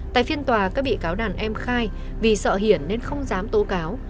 tại phiên tòa các bị cáo đàn em khai vì sợ hiển nên không dám tố cáo